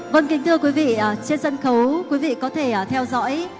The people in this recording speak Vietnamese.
vâng kính thưa quý vị trên sân khấu quý vị có thể theo dõi